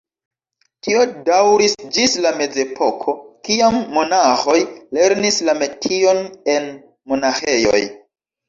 Tio daŭris ĝis la Mezepoko, kiam monaĥoj lernis la metion en monaĥejoj.